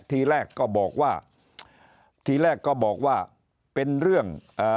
ทีแรกก็บอกว่าทีแรกก็บอกว่าเป็นเรื่องเอ่อ